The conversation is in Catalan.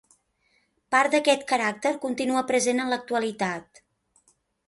Part d'aquest caràcter continua present en l'actualitat.